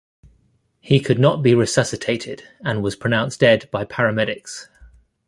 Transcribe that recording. He could not be resuscitated, and was pronounced dead by paramedics.